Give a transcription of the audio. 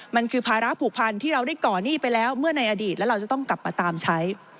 มันคือภาระผูกพันที่เราได้ก่อหนี้ไปแล้วเมื่อในอดีตแล้วเราจะต้องกลับมาตามใช้